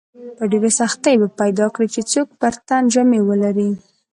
په ډېرې سختۍ به پیدا کړې چې څوک پر تن جامې ولري.